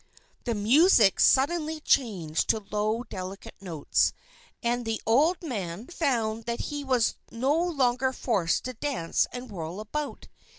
The music suddenly changed to low, delicate notes, and the old man found that he was no longer forced to dance and whirl about.